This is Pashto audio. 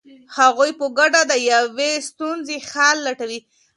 هغوی په ګډه د یوې ستونزې حل لټوي.